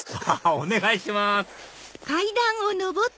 お願いします